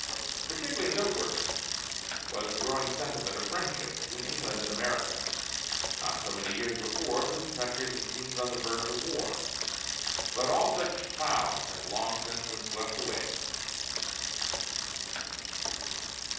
Particularly noteworthy was the growing sentiment of friendship between England and America. Not so many years before, the two countries had seemed on the verge of war, but all such clouds had long since been swept away.